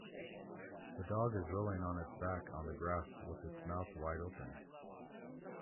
The dog is rolling on its back on the grass with its mouth wide open.